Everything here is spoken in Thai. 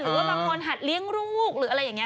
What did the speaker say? หรือว่าบางคนหัดเลี้ยงลูกหรืออะไรอย่างนี้